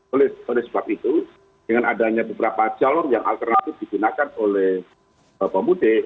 oleh sebab itu dengan adanya beberapa jalur yang alternatif digunakan oleh pemudik